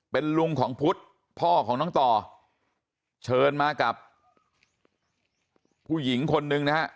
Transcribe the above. เป็นลุงของพุทธพ่อของน้องต่อเชิญมากับผู้หญิงคนนึงนะฮะ